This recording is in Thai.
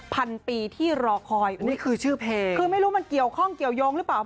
พันปีที่รอคอยคือไม่รู้มันเกี่ยวข้องเกี่ยวยงหรือเปล่า